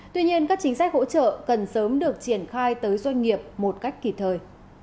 tuy nhiên các chính sách hỗ trợ cần sớm được triển khai tới doanh nghiệp một cách kỳ thời